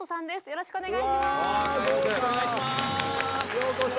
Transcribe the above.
よろしくお願いします。